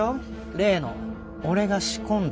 例の俺が仕込んだ